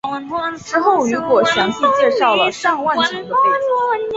之后雨果详细介绍了尚万强的背景。